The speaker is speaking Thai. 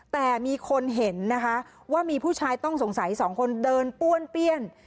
แต่มีคนเห็นนะคะว่ามีผู้ชายต้องสงสัยสองคนเดินป้วนเปี้ยน